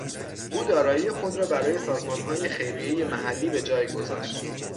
او دارایی خود را برای سازمانهای خیریهی محلی به جای گذاشت.